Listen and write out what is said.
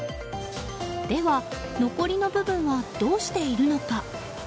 では、残りの部分はどうしているのか。